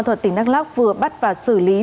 còn tại đắk lắk cơ quan tp hcm vừa bắt và xử lý